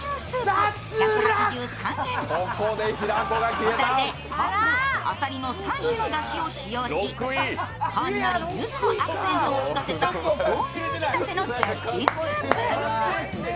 ほたて、昆布、あさりの３種のだしを使用し、ほんのりゆずのアクセントを効かせた豆乳仕立ての絶品スープ。